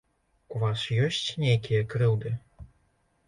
У вас ёсць нейкія крыўды?